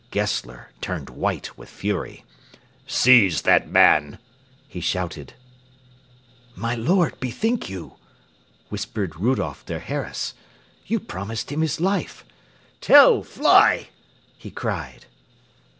Gessler turned white with fury. "Seize that man!" he shouted. [Illustration: PLATE XIII] "My lord, bethink you," whispered Rudolph der Harras; "you promised him his life. Tell, fly!" he cried.